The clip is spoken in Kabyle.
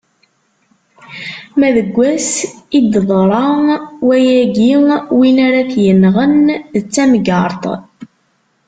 Ma deg wass i d-iḍra wayagi, win ara t-inɣen, d tamgerṭ.